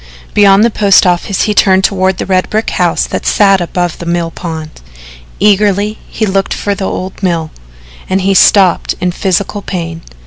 Beyond the post office he turned toward the red brick house that sat above the mill pond. Eagerly he looked for the old mill, and he stopped in physical pain.